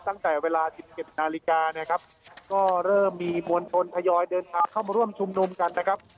ตั้งแต่เวลาสิบเจ็ดนาฬิกานะครับก็เริ่มมีมวลชนทยอยเดินทางเข้ามาร่วมชุมนุมกันนะครับ